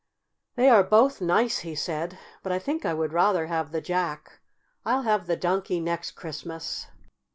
"They are both nice," he said; "but I think I would rather have the Jack. I'll have the Donkey next Christmas."